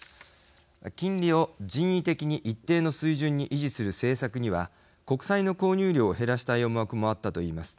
金利を人為的に一定の水準に維持する政策には国債の購入量を減らしたい思惑もあったと言います。